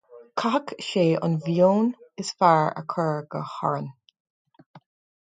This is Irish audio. chaithfeadh sé an mhóin is fearr a chur go hÁrainn